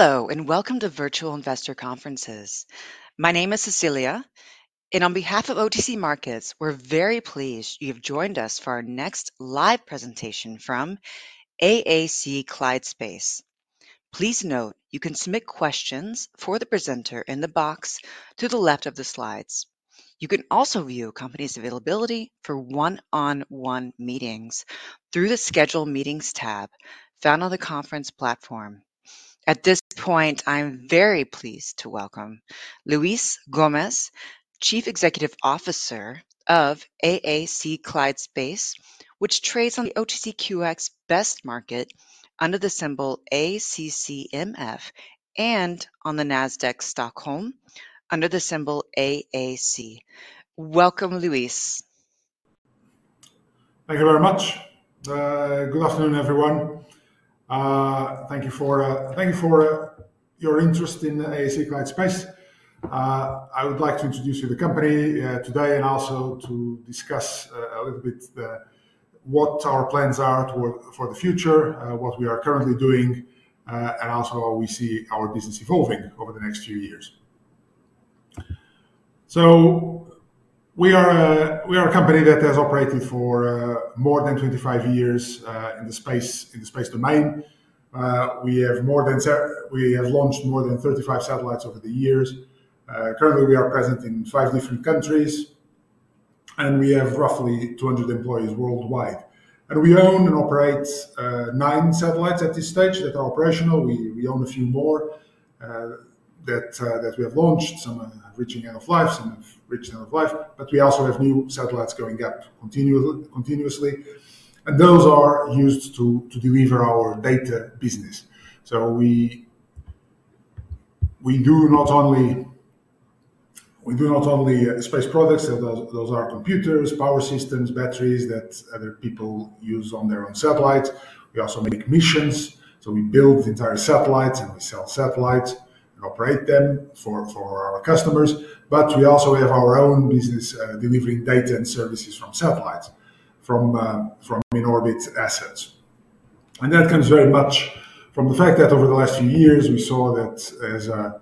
Hello and welcome to Virtual Investor Conferences. My name is Cecilia, and on behalf of OTC Markets, we're very pleased you've joined us for our next live presentation from AAC Clyde Space. Please note you can submit questions for the presenter in the box to the left of the slides. You can also view a company's availability for one-on-one meetings through the Schedule Meetings tab found on the conference platform. At this point, I'm very pleased to welcome Luis Gomes, Chief Executive Officer of AAC Clyde Space, which trades on the OTCQX Best Market under the symbol ACCMF and on the Nasdaq Stockholm under the symbol AAC. Welcome, Luis. Thank you very much. Good afternoon, everyone. Thank you for your interest in AAC Clyde Space. I would like to introduce you to the company today and also to discuss a little bit what our plans are for the future, what we are currently doing, and also how we see our business evolving over the next few years. So we are a company that has operated for more than 25 years in the space domain. We have launched more than 35 satellites over the years. Currently, we are present in five different countries, and we have roughly 200 employees worldwide. And we own and operate nine satellites at this stage that are operational. We own a few more that we have launched. Some have reached end of life, some have reached end of life, but we also have new satellites going up continuously, and those are used to deliver our data business. So we do not only space products. Those are computers, power systems, batteries that other people use on their own satellites. We also make missions. So we build the entire satellites, and we sell satellites and operate them for our customers. But we also have our own business delivering data and services from satellites, from in-orbit assets, and that comes very much from the fact that over the last few years, we saw that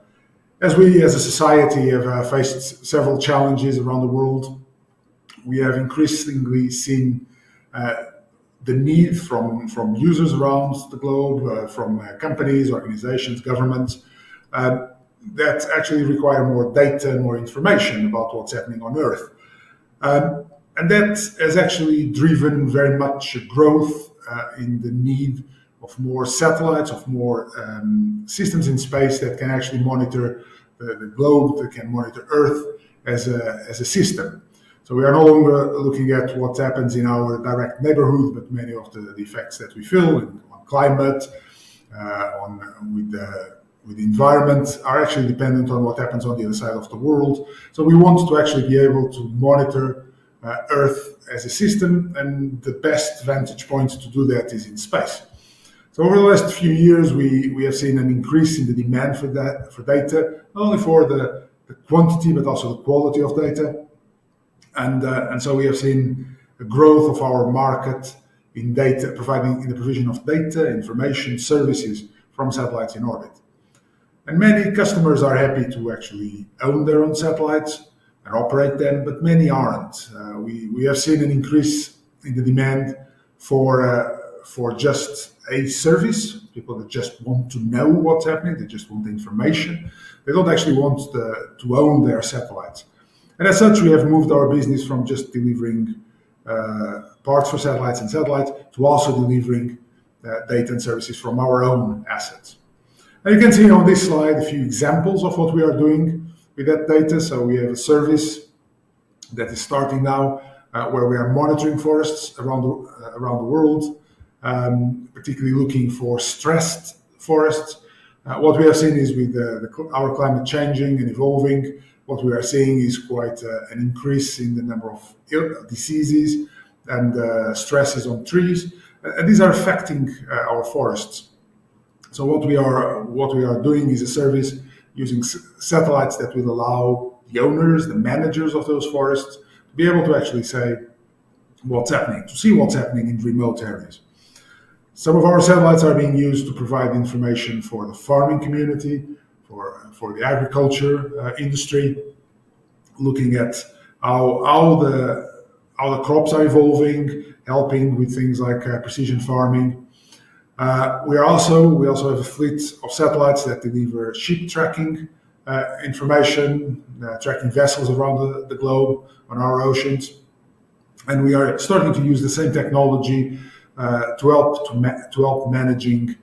as a society, we have faced several challenges around the world. We have increasingly seen the need from users around the globe, from companies, organizations, governments, that actually require more data and more information about what's happening on Earth. That has actually driven very much growth in the need of more satellites, of more systems in space that can actually monitor the globe, that can monitor Earth as a system. We are no longer looking at what happens in our direct neighborhood, but many of the effects that we feel on climate, with the environment, are actually dependent on what happens on the other side of the world. We want to actually be able to monitor Earth as a system, and the best vantage point to do that is in space. Over the last few years, we have seen an increase in the demand for data, not only for the quantity, but also the quality of data. We have seen a growth of our market in data, providing the provision of data, information, services from satellites in orbit. And many customers are happy to actually own their own satellites and operate them, but many aren't. We have seen an increase in the demand for just a service, people that just want to know what's happening. They just want the information. They don't actually want to own their satellites, and as such, we have moved our business from just delivering parts for satellites and satellites to also delivering data and services from our own assets, and you can see on this slide a few examples of what we are doing with that data, so we have a service that is starting now where we are monitoring forests around the world, particularly looking for stressed forests. What we have seen is with our climate changing and evolving, what we are seeing is quite an increase in the number of diseases and stresses on trees, and these are affecting our forests. What we are doing is a service using satellites that will allow the owners, the managers of those forests, to be able to actually say what's happening, to see what's happening in remote areas. Some of our satellites are being used to provide information for the farming community, for the agriculture industry, looking at how the crops are evolving, helping with things like precision farming. We also have a fleet of satellites that deliver ship tracking information, tracking vessels around the globe on our oceans. We are starting to use the same technology to help managing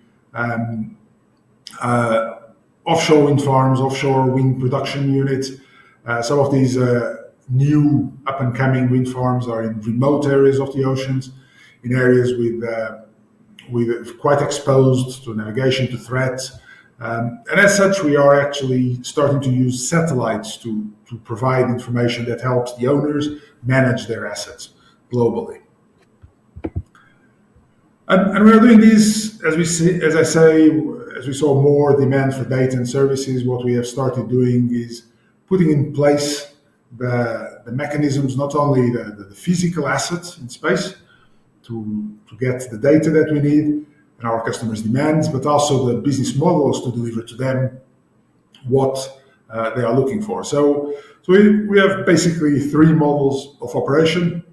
offshore wind farms, offshore wind production units. Some of these new up-and-coming wind farms are in remote areas of the oceans, in areas quite exposed to navigation, to threats. As such, we are actually starting to use satellites to provide information that helps the owners manage their assets globally. We are doing this, as I say, as we saw more demand for data and services. What we have started doing is putting in place the mechanisms, not only the physical assets in space to get the data that we need and our customers' demands, but also the business models to deliver to them what they are looking for. We have basically three models of operation.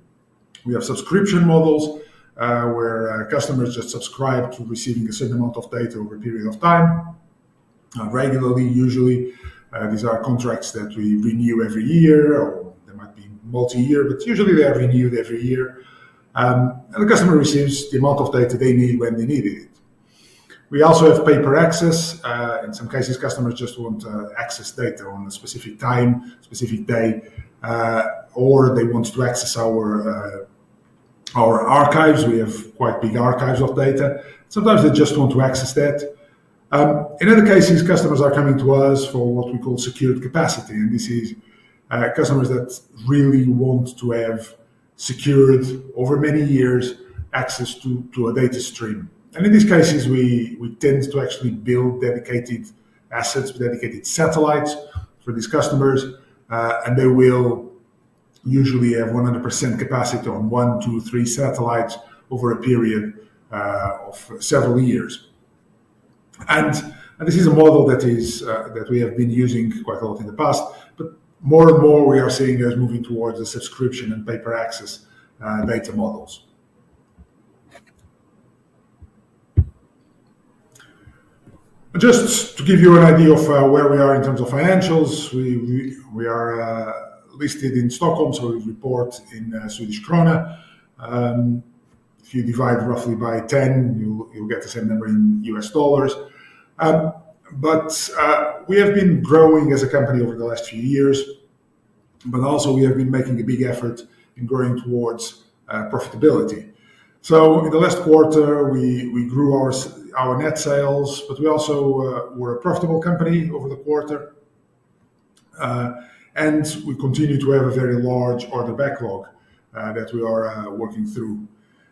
We have subscription models where customers just subscribe to receiving a certain amount of data over a period of time. Regularly, usually, these are contracts that we renew every year, or there might be multi-year, but usually they are renewed every year. The customer receives the amount of data they need when they needed it. We also have pay-per access. In some cases, customers just want to access data on a specific time, specific day, or they want to access our archives. We have quite big archives of data. Sometimes they just want to access that. In other cases, customers are coming to us for what we call secured capacity. And this is customers that really want to have secured, over many years, access to a data stream. And in these cases, we tend to actually build dedicated assets, dedicated satellites for these customers, and they will usually have 100% capacity on one, two, three satellites over a period of several years. And this is a model that we have been using quite a lot in the past, but more and more we are seeing us moving towards the subscription and pay-per-access data models. Just to give you an idea of where we are in terms of financials, we are listed in Stockholm, so we report in Swedish krona. If you divide roughly by 10, you'll get the same number in U.S. dollars. But we have been growing as a company over the last few years, but also we have been making a big effort in growing towards profitability. So in the last quarter, we grew our net sales, but we also were a profitable company over the quarter, and we continue to have a very large order backlog that we are working through.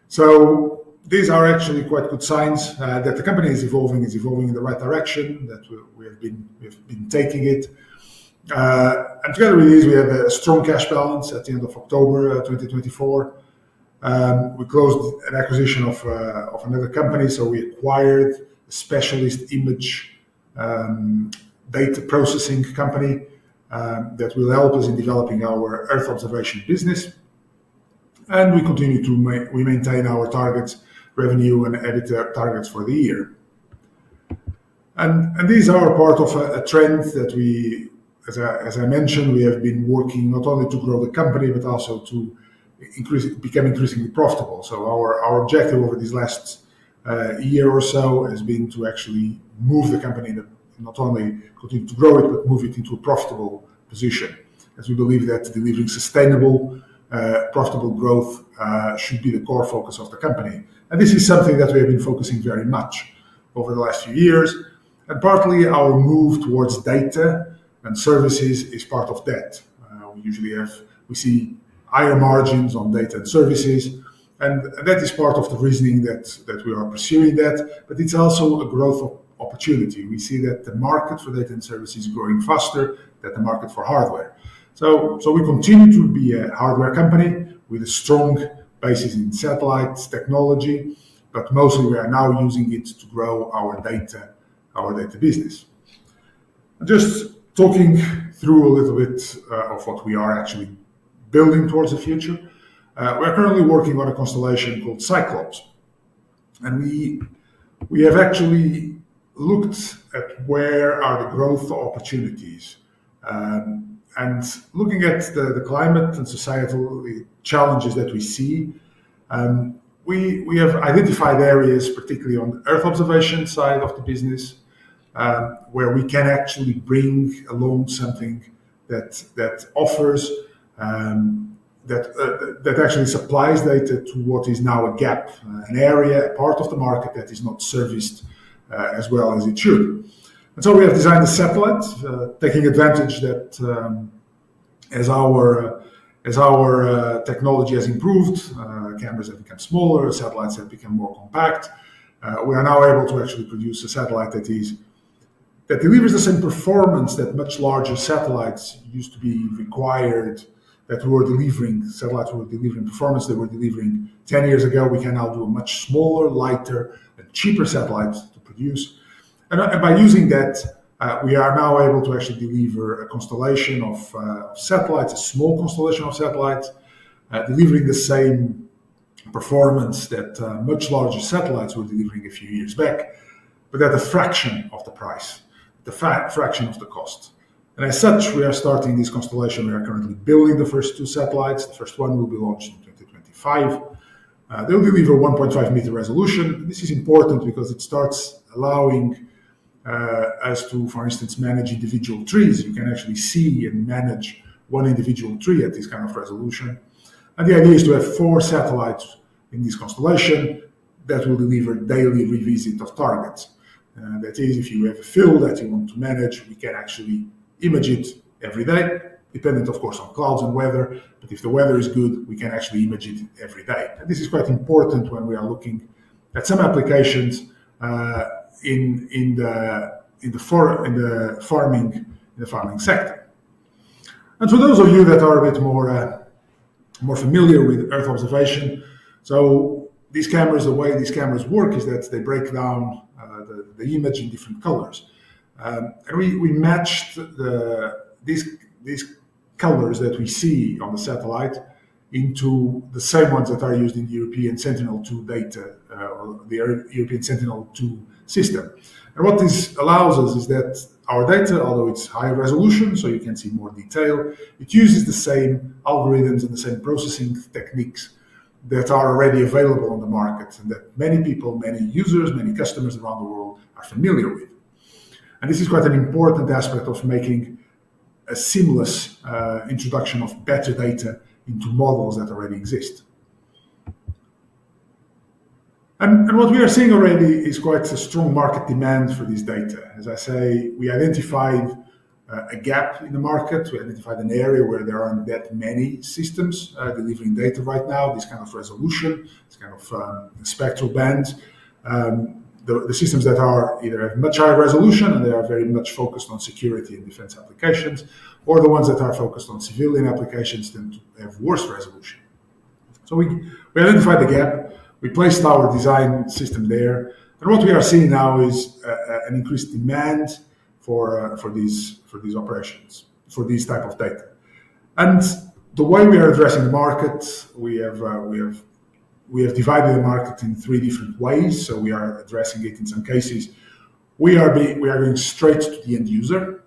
So these are actually quite good signs that the company is evolving in the right direction that we have been taking it. And together with these, we have a strong cash balance at the end of October 2024. We closed an acquisition of another company, so we acquired a specialist image data processing company that will help us in developing our Earth observation business, and we continue to maintain our targets, revenue, and EBITDA targets for the year. These are part of a trend that we, as I mentioned, we have been working not only to grow the company, but also to become increasingly profitable, so our objective over this last year or so has been to actually move the company not only continue to grow it, but move it into a profitable position, as we believe that delivering sustainable, profitable growth should be the core focus of the company. This is something that we have been focusing very much over the last few years, and partly, our move towards data and services is part of that. We usually see higher margins on data and services, and that is part of the reasoning that we are pursuing that, but it's also a growth opportunity. We see that the market for data and services is growing faster, that the market for hardware. So we continue to be a hardware company with a strong basis in satellite technology, but mostly we are now using it to grow our data, our data business. Just talking through a little bit of what we are actually building towards the future, we are currently working on a constellation called Cyclops, and we have actually looked at where are the growth opportunities. Looking at the climate and societal challenges that we see, we have identified areas, particularly on the Earth observation side of the business, where we can actually bring along something that actually supplies data to what is now a gap, an area, a part of the market that is not serviced as well as it should. We have designed a satellite, taking advantage that as our technology has improved, cameras have become smaller, satellites have become more compact. We are now able to actually produce a satellite that delivers the same performance that much larger satellites used to be required, that we were delivering satellites that were delivering performance they were delivering 10 years ago. We can now do a much smaller, lighter, and cheaper satellite to produce. By using that, we are now able to actually deliver a constellation of satellites, a small constellation of satellites, delivering the same performance that much larger satellites were delivering a few years back, but at a fraction of the price, the fraction of the cost. As such, we are starting this constellation. We are currently building the first two satellites. The first one will be launched in 2025. They will deliver 1.5-meter resolution. This is important because it starts allowing us to, for instance, manage individual trees. You can actually see and manage one individual tree at this kind of resolution. The idea is to have four satellites in this constellation that will deliver daily revisit of targets. That is, if you have a field that you want to manage, we can actually image it every day, depending, of course, on clouds and weather. But if the weather is good, we can actually image it every day. And this is quite important when we are looking at some applications in the farming sector. And for those of you that are a bit more familiar with Earth observation, so the way these cameras work is that they break down the image in different colors. And we matched these colors that we see on the satellite into the same ones that are used in the European Sentinel-2 data, the European Sentinel-2 system. And what this allows us is that our data, although it's higher resolution, so you can see more detail. It uses the same algorithms and the same processing techniques that are already available on the market and that many people, many users, many customers around the world are familiar with. This is quite an important aspect of making a seamless introduction of better data into models that already exist. What we are seeing already is quite a strong market demand for this data. As I say, we identified a gap in the market. We identified an area where there aren't that many systems delivering data right now, this kind of resolution, this kind of spectral bands. The systems that either have much higher resolution and they are very much focused on security and defense applications, or the ones that are focused on civilian applications tend to have worse resolution. We identified the gap. We placed our design system there. What we are seeing now is an increased demand for these operations, for these types of data. The way we are addressing the market, we have divided the market in three different ways. So we are addressing it in some cases. We are going straight to the end user.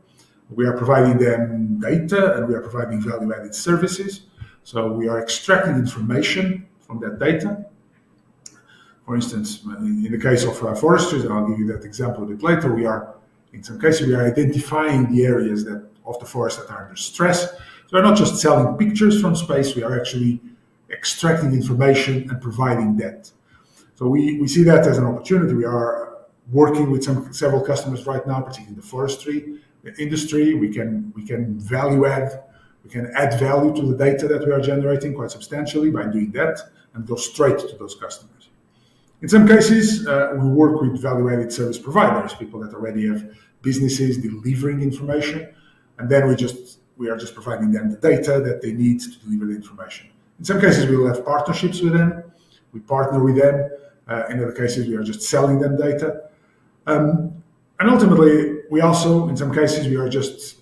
We are providing them data, and we are providing value-added services. So we are extracting information from that data. For instance, in the case of forestry, and I'll give you that example a bit later, in some cases, we are identifying the areas of the forest that are under stress. So we're not just selling pictures from space. We are actually extracting information and providing that. So we see that as an opportunity. We are working with several customers right now, particularly in the forestry industry. We can value-add, we can add value to the data that we are generating quite substantially by doing that and go straight to those customers. In some cases, we work with value-added service providers, people that already have businesses delivering information, and then we are just providing them the data that they need to deliver the information. In some cases, we will have partnerships with them. We partner with them. In other cases, we are just selling them data, and ultimately, we also, in some cases, we are just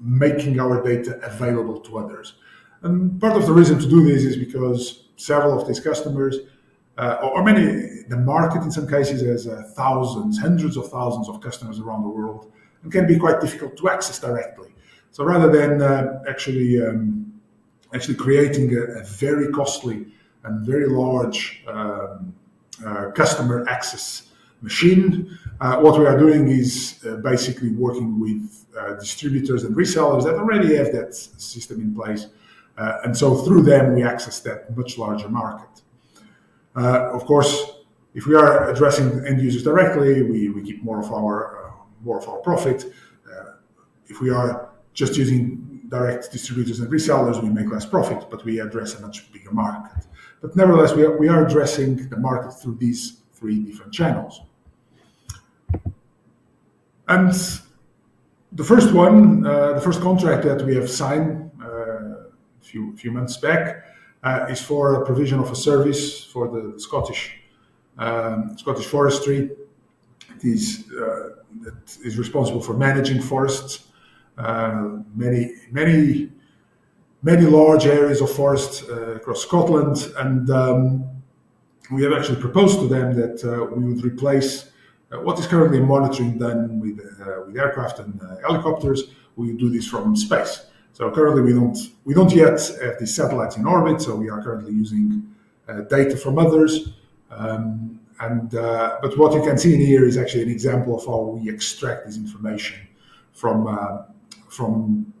making our data available to others, and part of the reason to do this is because several of these customers, or many, the market in some cases has thousands, hundreds of thousands of customers around the world and can be quite difficult to access directly. So rather than actually creating a very costly and very large customer access machine, what we are doing is basically working with distributors and resellers that already have that system in place. And so through them, we access that much larger market. Of course, if we are addressing end users directly, we keep more of our profit. If we are just using direct distributors and resellers, we make less profit, but we address a much bigger market. But nevertheless, we are addressing the market through these three different channels. And the first one, the first contract that we have signed a few months back, is for provision of a service for the Scottish Forestry that is responsible for managing forests, many large areas of forests across Scotland. And we have actually proposed to them that we would replace what is currently monitoring done with aircraft and helicopters. We do this from space. So currently, we don't yet have these satellites in orbit, so we are currently using data from others. But what you can see in here is actually an example of how we extract this information from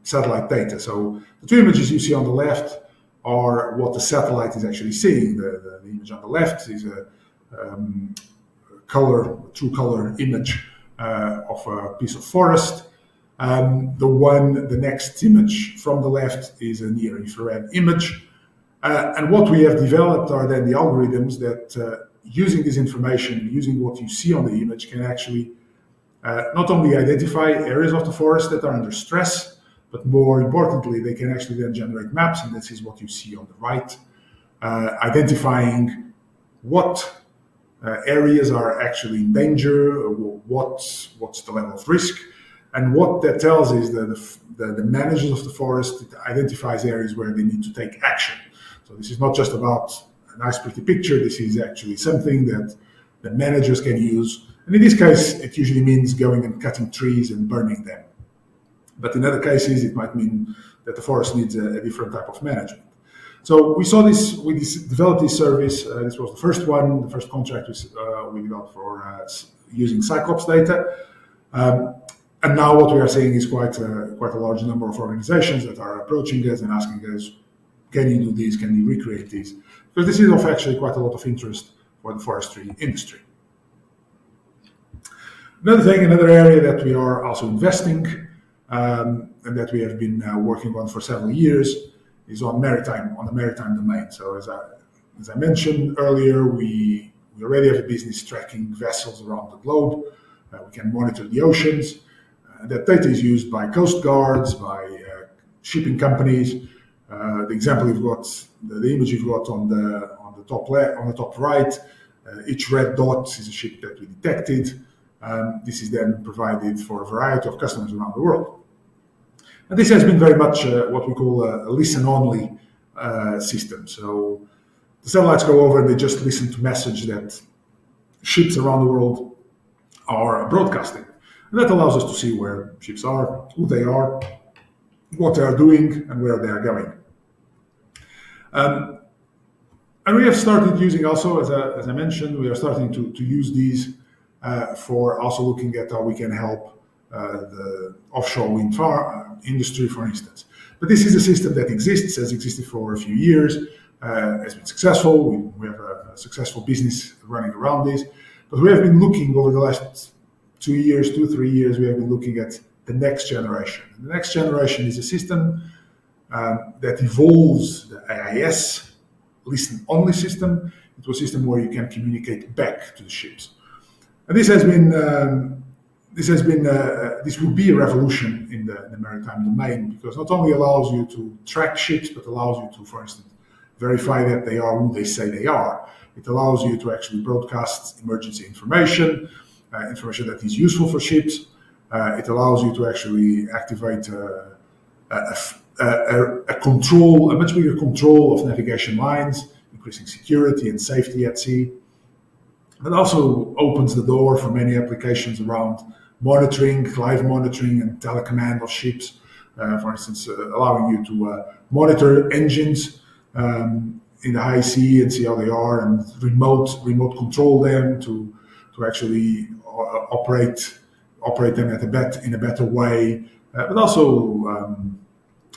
satellite data. So the two images you see on the left are what the satellite is actually seeing. The image on the left is a true color image of a piece of forest. The next image from the left is a near-infrared image. And what we have developed are then the algorithms that, using this information, using what you see on the image, can actually not only identify areas of the forest that are under stress, but more importantly, they can actually then generate maps. And this is what you see on the right, identifying what areas are actually in danger, what's the level of risk. And what that tells is that the managers of the forest identify areas where they need to take action. So this is not just about a nice pretty picture. This is actually something that the managers can use. And in this case, it usually means going and cutting trees and burning them. But in other cases, it might mean that the forest needs a different type of management. So we developed this service. This was the first one, the first contract we developed for using Cyclops data. And now what we are seeing is quite a large number of organizations that are approaching us and asking us, "Can you do this? Can you recreate this?" Because this is of actually quite a lot of interest for the forestry industry. Another thing, another area that we are also investing and that we have been working on for several years is on the maritime domain. So as I mentioned earlier, we already have a business tracking vessels around the globe. We can monitor the oceans. That data is used by coast guards, by shipping companies. The example you've got, the image you've got on the top right, each red dot is a ship that we detected. This is then provided for a variety of customers around the world, and this has been very much what we call a listen-only system. So the satellites go over and they just listen to messages that ships around the world are broadcasting, and that allows us to see where ships are, who they are, what they are doing, and where they are going. And we have started using also, as I mentioned, we are starting to use these for also looking at how we can help the offshore wind industry, for instance. But this is a system that exists, has existed for a few years, has been successful. We have a successful business running around this, but we have been looking over the last two years, two, three years, at the next generation. The next generation is a system that evolves the AIS listen-only system. It is a system where you can communicate back to the ships. This will be a revolution in the maritime domain because not only allows you to track ships, but allows you to, for instance, verify that they are who they say they are. It allows you to actually broadcast emergency information, information that is useful for ships. It allows you to actually activate a control, a much bigger control of navigation lines, increasing security and safety at sea. It also opens the door for many applications around monitoring, live monitoring, and telecommand of ships. For instance, allowing you to monitor engines in the high seas and see how they are and remote control them to actually operate them in a better way, but also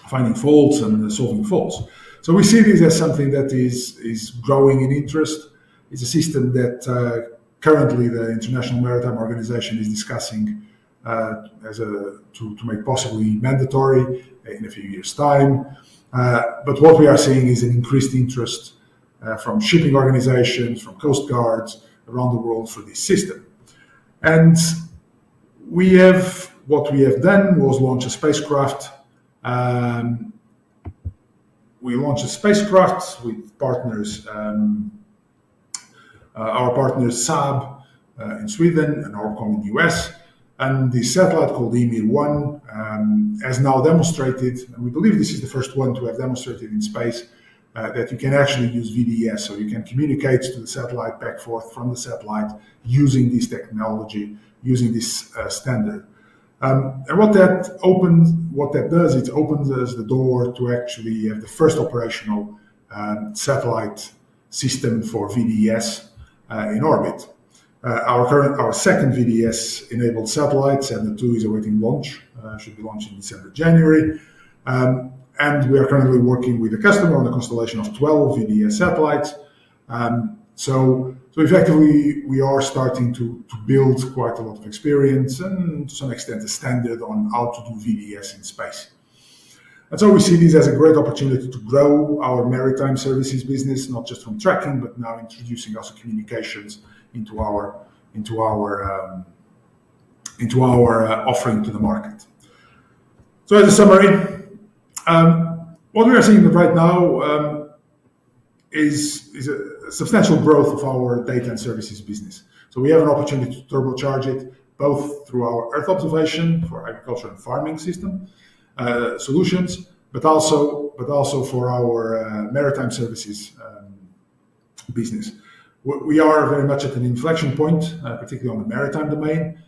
finding faults and solving faults. So we see this as something that is growing in interest. It's a system that currently the International Maritime Organization is discussing to make possibly mandatory in a few years' time. But what we are seeing is an increased interest from shipping organizations, from coast guards around the world for this system. And what we have done was launch a spacecraft. We launched a spacecraft with our partner Saab in Sweden and ORBCOMM in the U.S.. And the satellite called YMIR-1 has now demonstrated, and we believe this is the first one to have demonstrated in space, that you can actually use VDES. You can communicate to the satellite back and forth from the satellite using this technology, using this standard. What that does is it opens the door to actually have the first operational satellite system for VDES in orbit. Our second VDES-enabled satellite, YMIR-2, is awaiting launch. It should be launched in December, January. We are currently working with a customer on a constellation of 12 VDES satellites. Effectively, we are starting to build quite a lot of experience and, to some extent, a standard on how to do VDES in space. We see this as a great opportunity to grow our maritime services business, not just from tracking, but now introducing also communications into our offering to the market. As a summary, what we are seeing right now is a substantial growth of our data and services business. So we have an opportunity to turbocharge it both through our Earth observation for agriculture and farming system solutions, but also for our maritime services business. We are very much at an inflection point, particularly on the maritime domain,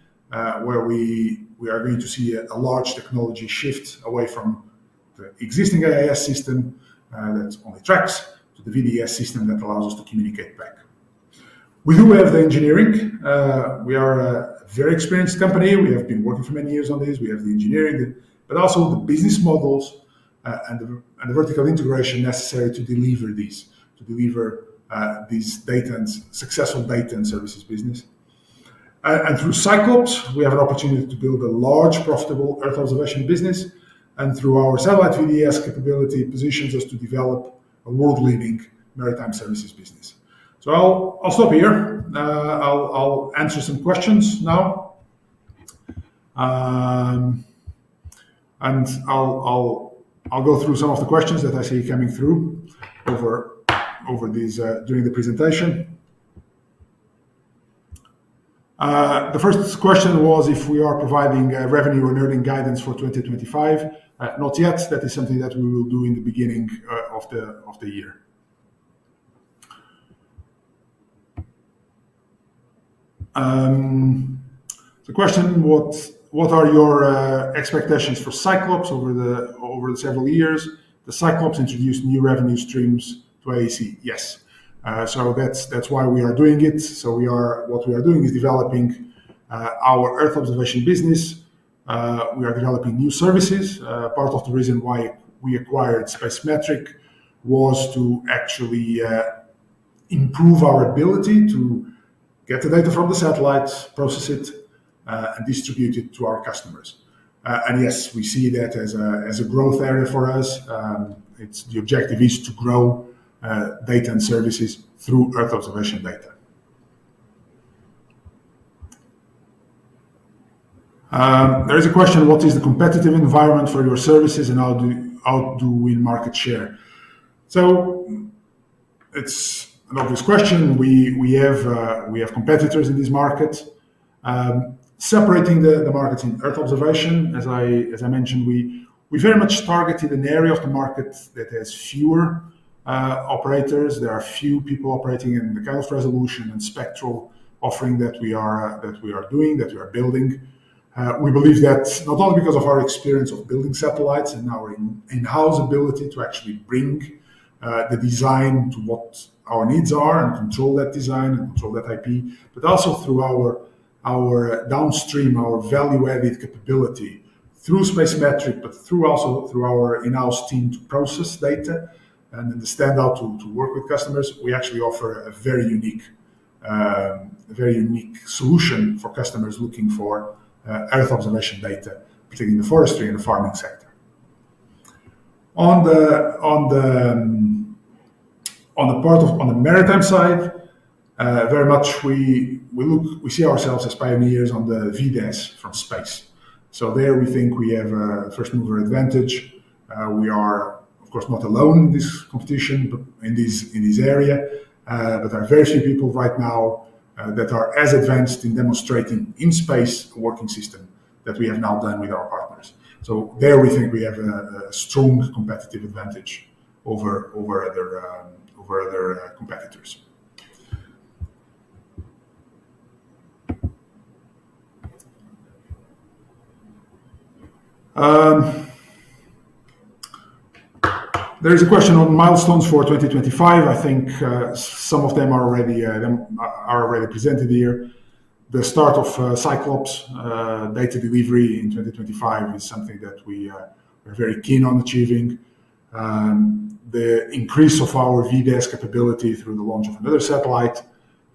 where we are going to see a large technology shift away from the existing AIS system that only tracks to the VDES system that allows us to communicate back. We do have the engineering. We are a very experienced company. We have been working for many years on this. We have the engineering, but also the business models and the vertical integration necessary to deliver these, to deliver this successful data and services business. And through Cyclops, we have an opportunity to build a large, profitable Earth observation business. And through our satellite VDES capability, it positions us to develop a world-leading maritime services business. So I'll stop here. I'll answer some questions now, and I'll go through some of the questions that I see coming through during the presentation. The first question was if we are providing revenue and earnings guidance for 2025. Not yet. That is something that we will do in the beginning of the year. The question, what are your expectations for Cyclops over the several years? The Cyclops introduced new revenue streams to AAC. Yes. So that's why we are doing it. So what we are doing is developing our Earth observation business. We are developing new services. Part of the reason why we acquired Spacemetric was to actually improve our ability to get the data from the satellites, process it, and distribute it to our customers. Yes, we see that as a growth area for us. The objective is to grow data and services through Earth observation data. There is a question, what is the competitive environment for your services and how do we market share? So it's an obvious question. We have competitors in this market. Separating the markets in Earth observation, as I mentioned, we very much targeted an area of the market that has fewer operators. There are few people operating in the kind of resolution and spectral offering that we are doing, that we are building. We believe that not only because of our experience of building satellites and our in-house ability to actually bring the design to what our needs are and control that design and control that IP, but also through our downstream, our value-added capability through Spacemetric, but also through our in-house team to process data and to stand out to work with customers, we actually offer a very unique solution for customers looking for Earth observation data, particularly in the forestry and the farming sector. On the maritime side, very much we see ourselves as pioneers on the VDES from space. So there we think we have a first-mover advantage. We are, of course, not alone in this competition in this area, but there are very few people right now that are as advanced in demonstrating in space a working system that we have now done with our partners. So there we think we have a strong competitive advantage over other competitors. There is a question on milestones for 2025. I think some of them are already presented here. The start of Cyclops data delivery in 2025 is something that we are very keen on achieving. The increase of our VDES capability through the launch of another satellite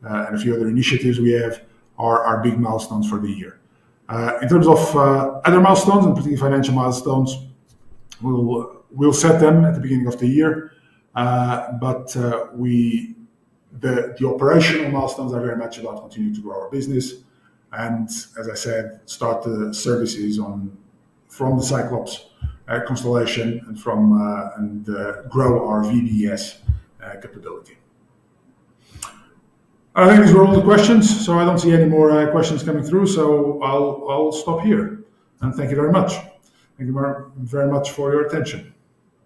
and a few other initiatives we have are our big milestones for the year. In terms of other milestones, and particularly financial milestones, we'll set them at the beginning of the year. But the operational milestones are very much about continuing to grow our business. And as I said, start the services from the Cyclops constellation and grow our VDES capability. I think these were all the questions. So I don't see any more questions coming through. So I'll stop here. And thank you very much. Thank you very much for your attention.